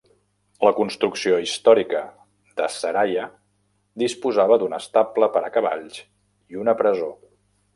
La construcció històrica de Seraya disposava d'un estable per a cavalls i una presó.